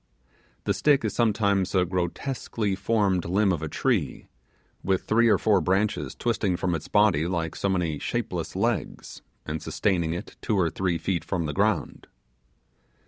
The stick is sometimes a grotesquely formed limb of a tree, with three or four branches twisting from its body like so many shapeless legs, and sustaining it two or three feet from the ground.